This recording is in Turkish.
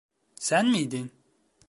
Sen miydin?